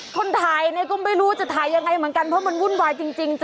คนถ่ายเนี่ยก็ไม่รู้จะถ่ายยังไงเหมือนกันเพราะมันวุ่นวายจริง